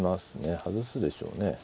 外すでしょうね。